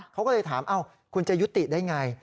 เขาก็เลยถามคุณจะยุติได้ไง